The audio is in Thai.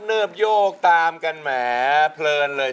จับมือประคองขอร้องอย่าได้เปลี่ยนไป